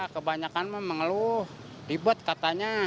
kebanyakan mengeluh ribet katanya